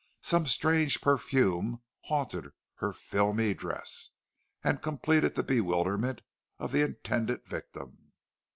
Some strange perfume haunted the filmy dress, and completed the bewilderment of the intended victim.